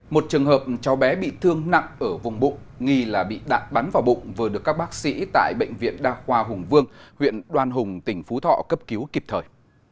một trường hợp cháu bé bị thương nặng ở vùng bụng nghi là bị đạn bắn vào bụng vừa được các bác sĩ tại bệnh viện đa khoa hùng vương huyện đoan hùng tỉnh phú thọ cấp cứu kịp thời